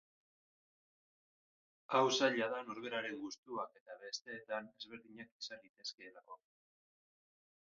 Hau zaila da norberaren gustuak eta besteetan ezberdinak izan litezkeelako.